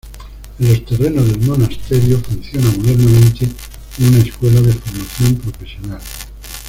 En los terrenos del monasterio funciona modernamente una escuela de formación profesional.